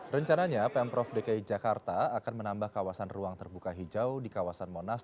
rencananya pemprov dki jakarta akan menambah kawasan ruang terbuka hijau di kawasan monas